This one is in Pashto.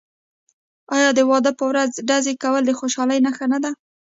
آیا د واده په ورځ ډزې کول د خوشحالۍ نښه نه ده؟